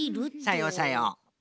さようさよう。